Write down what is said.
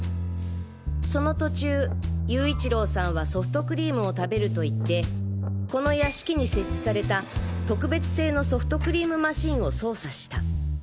その途中勇一郎さんはソフトクリームを食べると言ってこの屋敷に設置された特別製のソフトクリームマシンを操作した。